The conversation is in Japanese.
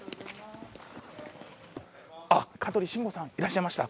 あっ香取慎吾さんいらっしゃいました。